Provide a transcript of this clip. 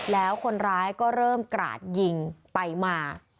แล้วคนร้ายก็เริ่มกราดยิงไปมา